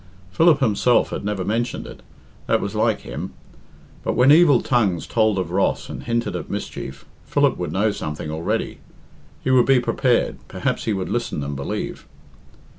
Philip himself had never mentioned it that was like him. But when evil tongues told of Ross and hinted at mischief, Philip would know something already; he would be prepared, perhaps he would listen and believe.